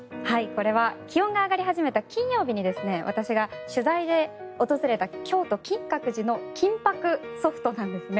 これは気温が上がり始めた金曜日に私が取材で訪れた京都・金閣寺の金箔そふとなんです。